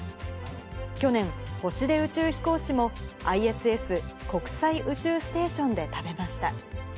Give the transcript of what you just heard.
去年、星出宇宙飛行士も、ＩＳＳ・国際宇宙ステーションで食べました。